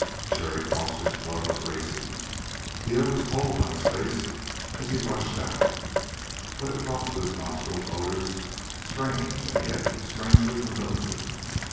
Jerry Foster's blood was racing; the air was cold on his face as he rushed out. But it brought to his nostrils odors strange and yet strangely familiar.